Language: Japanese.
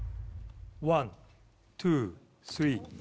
ワンツースリー。